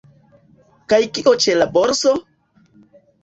Kaj kio ĉe la borso?